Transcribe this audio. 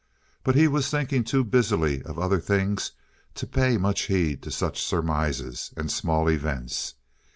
But he was thinking too busily of other things to pay much heed to such surmises and small events.